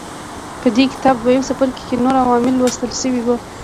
په دې کتاب دویم څپرکي کې نور عوامل لوستل شوي وو.